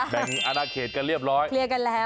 อนาเขตกันเรียบร้อยเคลียร์กันแล้ว